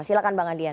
silahkan bang adian